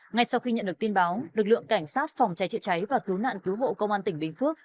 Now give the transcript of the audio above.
ngay sau khi nhận được tin báo lực lượng cảnh sát phòng cháy chữa cháy và cứu nạn cứu hộ công an tỉnh bình phước